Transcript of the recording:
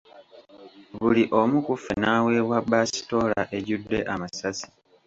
Buli omu ku ffe n'aweebwa basitoola ejjudde amasasi.